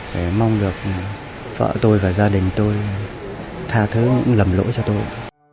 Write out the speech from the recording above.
để mong được vợ tôi và gia đình tôi tha thứ lầm lỗi cho tôi